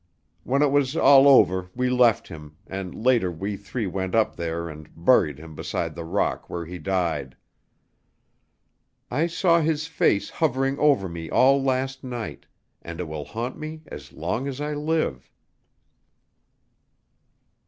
When it was all over, we left him, and later we three went up there and buried him beside the rock where he died. I saw his face hovering over me all last night, and it will haunt me as long as I live."